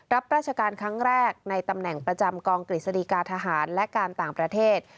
รับราชการครั้งแรกในตำแหน่งประจำกองกฤษฎีกาทหารและการต่างประเทศ